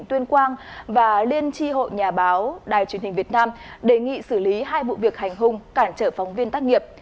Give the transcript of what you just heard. tuyên quang và liên tri hội nhà báo đài truyền hình việt nam đề nghị xử lý hai vụ việc hành hung cản trở phóng viên tác nghiệp